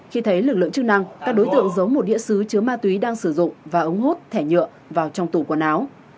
khi thấy lực lượng chức năng các đối tượng giống một địa sứ chứa ma túy đang sử dụng và ống hút thẻ nhựa vào trong tủ quần áo